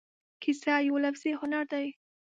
کیسه یو لفظي هنر دی.